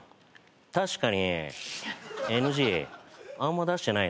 確かにＮＧあんま出してないね。